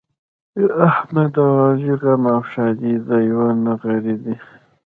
د احمد او علي غم او ښادي د یوه نغري دي.